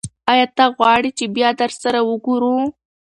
ایا ته غواړې چې بیا سره وګورو؟